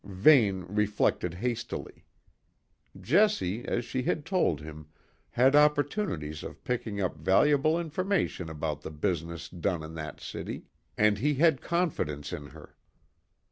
Vane reflected hastily. Jessie, as she had told him, had opportunities of picking up valuable information about the business done in that city, and he had confidence in her.